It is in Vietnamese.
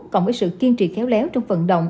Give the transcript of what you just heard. cộng với sự kiên trì khéo léo trong vận động